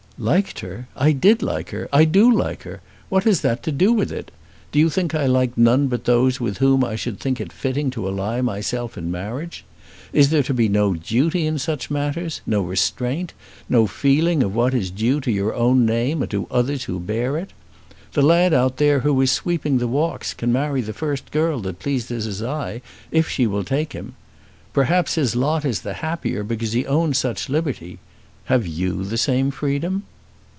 "Liked her! I did like her. I do like her. What has that to do with it? Do you think I like none but those with whom I should think it fitting to ally myself in marriage? Is there to be no duty in such matters, no restraint, no feeling of what is due to your own name, and to others who bear it? The lad out there who is sweeping the walks can marry the first girl that pleases his eye if she will take him. Perhaps his lot is the happier because he owns such liberty. Have you the same freedom?"